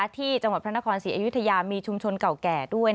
ที่จังหวัดพระนครศรีอยุธยามีชุมชนเก่าแก่ด้วย